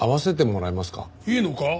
いいのか？